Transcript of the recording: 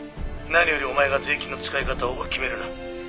「何よりお前が税金の使い方を決めるな」